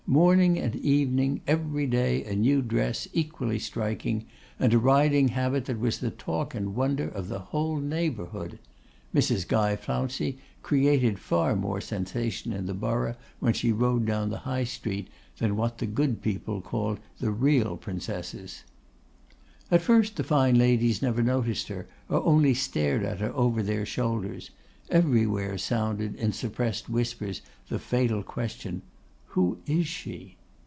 Morning and evening, every day a new dress equally striking; and a riding habit that was the talk and wonder of the whole neighbourhood. Mrs. Guy Flouncey created far more sensation in the borough when she rode down the High Street, than what the good people called the real Princesses. At first the fine ladies never noticed her, or only stared at her over their shoulders; everywhere sounded, in suppressed whispers, the fatal question, 'Who is she?